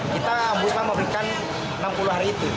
kita ombudsman memberikan enam puluh hari itu